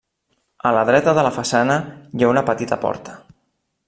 A la dreta de la façana hi ha una petita porta.